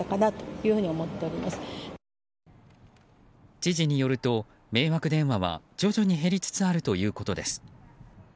知事によると迷惑電話は徐々に減りつつあるということです。